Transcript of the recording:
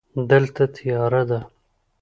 دلته تیاره ده.